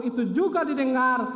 itu juga didengar